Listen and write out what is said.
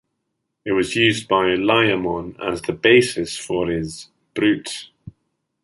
It was used by Layamon as the basis for his "Brut".